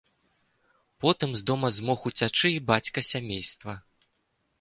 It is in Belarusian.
Потым з дома змог уцячы і бацька сямейства.